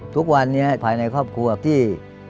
ทุกวันนี้ภายในครอบครัวที่